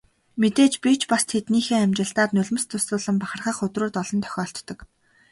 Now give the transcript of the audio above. Мэдээж би ч бас тэднийхээ амжилтаар нулимс дуслуулан бахархах өдрүүд олон тохиолддог.